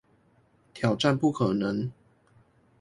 挑戰不可能